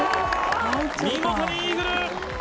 見事にイーグル！